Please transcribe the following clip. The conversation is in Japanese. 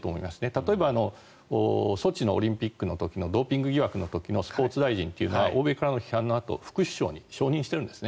例えば、ソチのオリンピックの時のドーピング問題の時のスポーツ大臣というのは欧米からの批判のあと副首相に昇進しているんです。